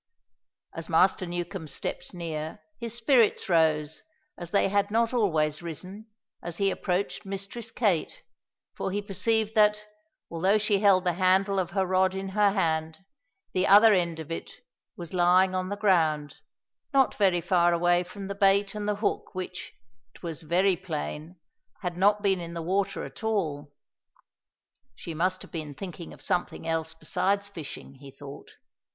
As Master Newcombe stepped near, his spirits rose, as they had not always risen, as he approached Mistress Kate, for he perceived that, although she held the handle of her rod in her hand, the other end of it was lying on the ground, not very far away from the bait and the hook which, it was very plain, had not been in the water at all. She must have been thinking of something else besides fishing, he thought.